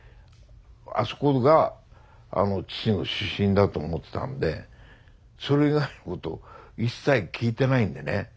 あそこが父の出身だと思ってたんでそれ以外のこと一切聞いてないんでね。